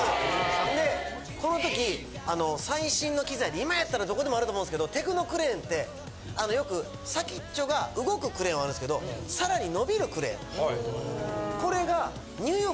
ほんでこの時最新の機材で今やったらどこでもあると思うんですけどテクノクレーンってよく先っちょが動くクレーンはあるんですけどさらにのびるクレーンこれが。